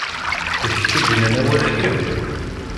D kečč i d-yennan awal-agi?